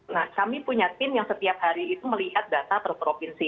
nah kami punya tim yang setiap hari itu melihat data per provinsi